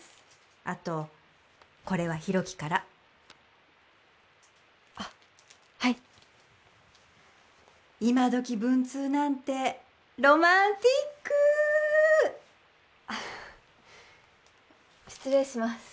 あとこれは広樹からあっはい今どき文通なんてロマンチック失礼します